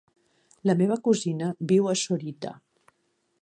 La meva cosina viu a Sorita.